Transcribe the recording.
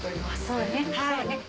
そうねそうね。